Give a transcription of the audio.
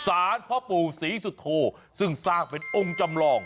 พ่อปู่ศรีสุโธซึ่งสร้างเป็นองค์จำลอง